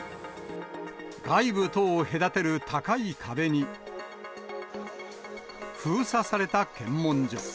外部とを隔てる高い壁に、封鎖された検問所。